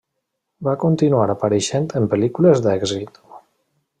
Va continuar apareixent en pel·lícules d'èxit.